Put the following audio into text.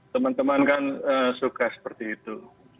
teman teman kan suka seperti itu